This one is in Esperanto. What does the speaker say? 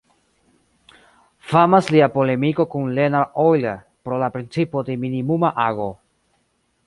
Famas lia polemiko kun Leonhard Euler pro la principo de minimuma ago.